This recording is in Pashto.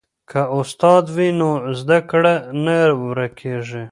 که استاد وي نو زده کړه نه ورکیږي.